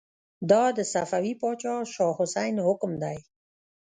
دا د صفوي پاچا شاه حسين حکم دی.